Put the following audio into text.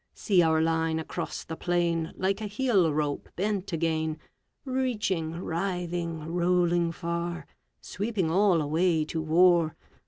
See our line across the plain, Like a heel rope bent again, Reaching, writhing, rolling far, Sweeping all away to war!